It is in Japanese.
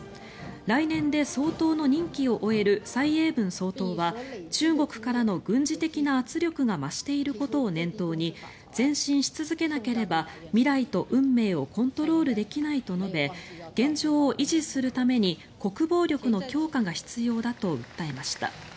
来年で総統の任期を終える蔡英文総統は中国からの軍事的な圧力が増していることを念頭に前進し続けなければ未来と運命をコントロールできないと述べ現状を維持するために国防力の強化が必要だと訴えました。